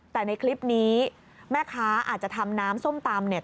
แต่ในคลิปนี้แม่ค้าอาจจะทำน้ำส้มตำเนี่ย